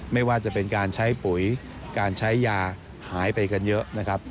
ไม่ว่าจะเป็นการใช้ปุ๋ยการใช้ยาหายไปกันเยอะนะครับ